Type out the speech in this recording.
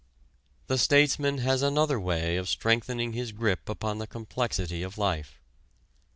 The statesman has another way of strengthening his grip upon the complexity of life.